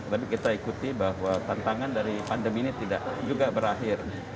tapi kita ikuti bahwa tantangan dari pandemi ini tidak juga berakhir